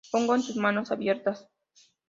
Pongo en tus manos abiertas...